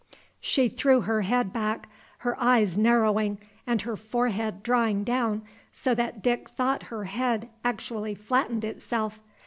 She threw her head back, her eyes narrowing and her forehead drawing down so that Dick thought her head actually flattened itself.